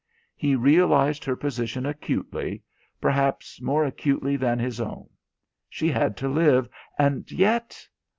He realised her position acutely, perhaps more acutely than his own. She had to live. And yet....